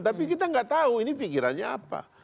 tapi kita nggak tahu ini pikirannya apa